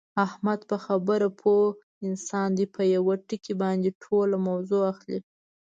احمد په خبره پوه انسان دی، په یوه ټکي باندې ټوله موضع اخلي.